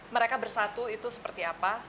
mereka bersatu itu seperti apa